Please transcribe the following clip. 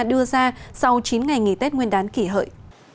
đưa ra sau chín ngày nghỉ tết nguyên đán kỷ hợi